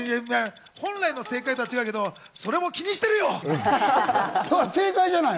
本来の正解とは違うけど、それも気にしてるよ！